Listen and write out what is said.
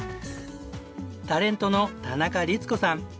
タレントの田中律子さん。